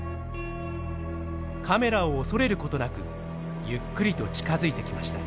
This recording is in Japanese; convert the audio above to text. カメラを恐れる事なくゆっくりと近づいてきました。